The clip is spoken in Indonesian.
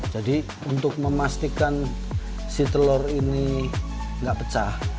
jadi untuk memastikan si telur ini tidak pecah